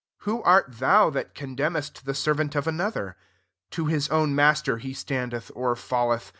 4 Who art thou that condemnest the servant of another ? to his own master he standeth or fall eth.